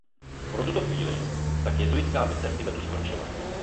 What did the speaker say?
Pro tuto chvíli tak jezuitská misie v Tibetu skončila.